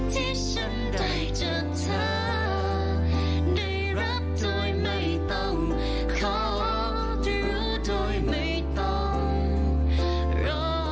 ที่ฉันได้จากเธอได้รับโดยไม่ต้องขอเธอไม่ต้องรอ